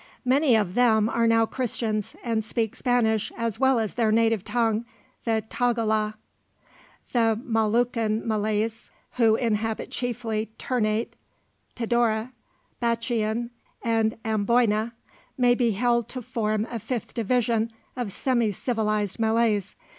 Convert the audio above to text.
Many of them are now Christians, and speak Spanish as well as their native tongue, the Tagala. The Moluccan Malays, who inhabit chiefly Ternate, Tidore, Batchian, and Amboyna, may be held to form a fifth division of semi civilized Malays.